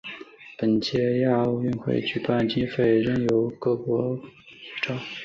本届亚运会的举办经费仍由各会员国依照各自的经济能力共同分担。